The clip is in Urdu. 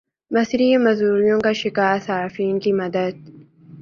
بصری معذوریوں کا شکار صارفین کی مدد